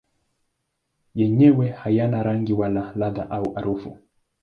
Yenyewe hayana rangi wala ladha au harufu.